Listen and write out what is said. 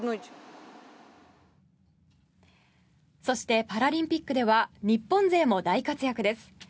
そしてパラリンピックでは日本勢も大活躍です。